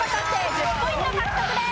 １０ポイント獲得です。